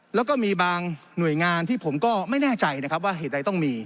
แล้วก็มีบางหน่วยงานที่ผมก็ไม่แน่ใจนะครับว่าเหตุใดต้องมี